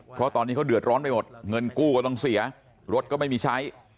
เพราะตอนนี้เขาเดือดร้อนไปหมดเงินกู้ก็ต้องเสียรถก็ไม่มีใช้